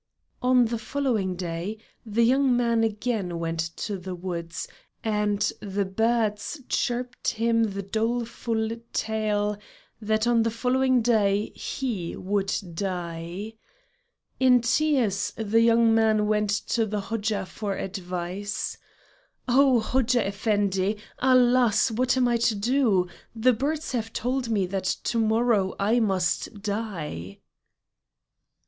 On the following day, the young man again went to the woods, and the birds chirped him the doleful tale, that on the following day he would die. In tears the young man went to the Hodja for advice. "Oh Hodja Effendi! Alas! What am I to do? The birds have told me that to morrow I must die."